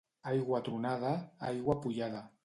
Aigua tronada, aigua pollada.